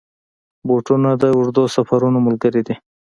بوټونه د اوږدو سفرونو ملګري وي.